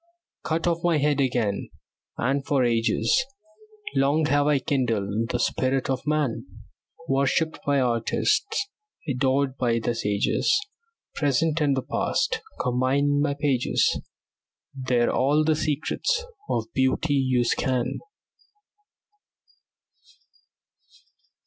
Cut off my head again, and for ages Long have I kindled the spirit of man. Worshipped by artists, adored by the sages, Present and past combine in my pages; There all the secrets of beauty you scan.